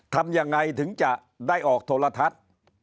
ทำยังไงถึงจะได้ออกโทรทัศน์